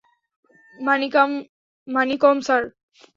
Manickam, sir.